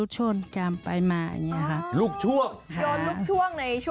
ใช่ค่ะ